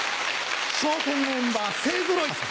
笑点メンバー勢ぞろい。